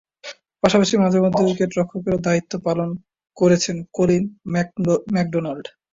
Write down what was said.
পাশাপাশি মাঝে-মধ্যে উইকেট-রক্ষকেরও দায়িত্ব পালন করেছেন কলিন ম্যাকডোনাল্ড।